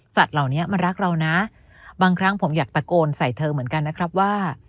เหล่านี้มันรักเรานะบางครั้งผมอยากตะโกนใส่เธอเหมือนกันนะครับว่า